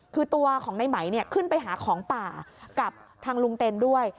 คือตัวของในไหมขึ้นไปหาของป่ากับทางลุงเต็นด้วย